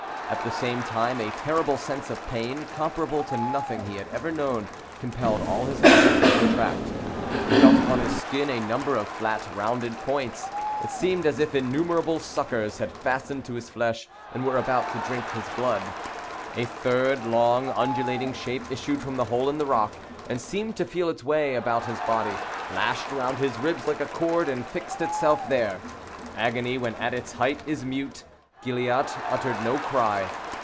At the same time a terrible sense of pain, comparable to nothing he had ever known, compelled all his muscles to contract. He felt upon his skin a number of flat rounded points. It seemed as if innumerable suckers had fastened to his flesh and were about to drink his blood. A third long undulating shape issued from the hole in the rock; and seemed to feel its way about his body; lashed round his ribs like a cord, and fixed itself there. Agony when at its height is mute. Gilliatt uttered no cry.